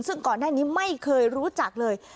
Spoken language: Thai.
ซึ่งก่อนหน้านี้ไม่เคยรู้จักเลย